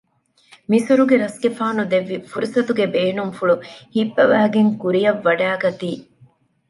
މިސުރުގެ ރަސްގެފާނު ދެއްވި ފުރުސަތުގެ ބޭނުންފުޅު ހިއްޕަވައިގެން ކުރިއަށް ވަޑައިގަތީ